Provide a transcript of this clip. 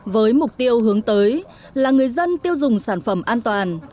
với mục tiêu hướng tới là người dân tiêu dùng sản phẩm an toàn